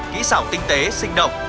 kỹ xảo tinh tế sinh động